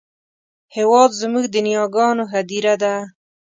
هېواد زموږ د نیاګانو هدیره ده